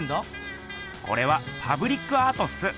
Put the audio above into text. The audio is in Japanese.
これはパブリックアートっす。